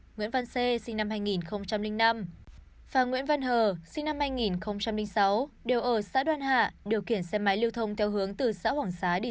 nguyễn văn c sinh năm hai nghìn năm và nguyễn văn h sinh năm hai nghìn sáu đều ở xã đoàn hạ điều kiện xe máy lưu thông theo hướng từ xã hoàng xá đi xã